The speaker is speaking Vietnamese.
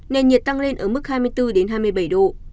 nền nhiệt tăng lên ở mức hai mươi bốn hai mươi bảy độ